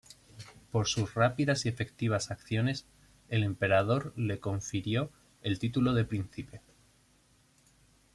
Por sus rápidas y efectivas acciones, el emperador le confirió el título de Príncipe.